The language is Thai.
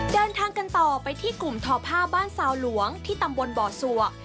เดินทางกันต่อไปที่กลุ่มทอผ้าบ้านซาวหลวงที่ตำบลบ่อสวก